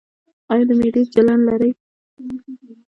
ایا د معدې جلن لرئ؟